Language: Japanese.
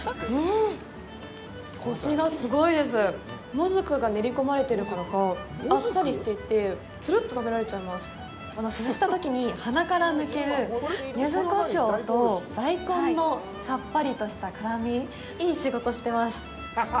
もずくが練り込まれてるからか、あっさりしていて、すすったときに、鼻から抜けるゆずこしょうと大根のさっぱりとした辛み、いい仕事してます！